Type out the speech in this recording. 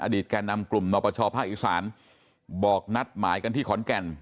อดีตแก่แคลนำกลุ่มหนอประชาพกลุ่มพระอีสาน